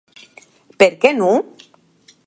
Per qué non?